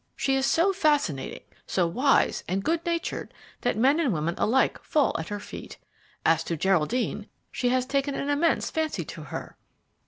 She is so fascinating, so wise and good natured, that men and women alike fall at her feet. As to Geraldine, she has taken an immense fancy to her."